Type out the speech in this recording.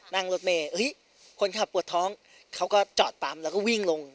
นั่งรถเมย์คนขับปวดท้องเขาก็จอดปั๊มแล้วก็วิ่งลง